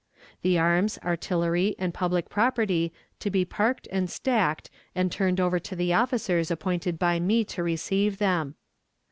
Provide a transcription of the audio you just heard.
"The arms, artillery, and public property to be parked and stacked and turned over to the officers appointed by me to receive them.